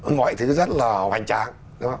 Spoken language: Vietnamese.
mọi thứ rất là hoành trang